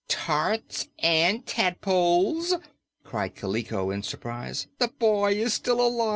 "Tarts and tadpoles!" cried Kaliko in surprise. "The boy is still alive!"